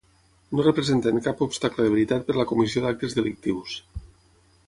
No representen cap obstacle de veritat per la comissió d'actes delictius.